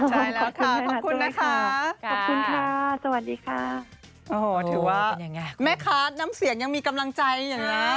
ใช่แล้วค่ะขอบคุณนะค่ะสวัสดีค่ะอ่อถือว่าแม่ค้าน้ำเสียงยังมีกำลังใจอย่างนั้น